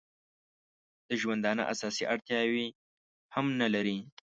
د ژوندانه اساسي اړتیاوې هم نه لري.